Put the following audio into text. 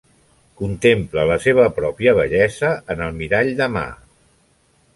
Contempla la seva pròpia bellesa en el mirall de mà.